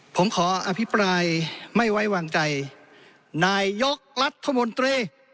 ผมขออภิปรายไม่ไว้วางใจนายยกรัฐมนตรี